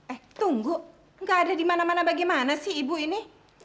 eh tunggu gak ada di mana mana bagaimana sih ibu ini